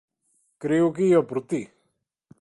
Creo que ía por ti.